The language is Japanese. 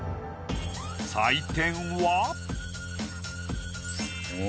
採点は。